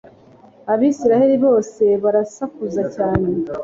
abisirayeli bose barasakuza cyane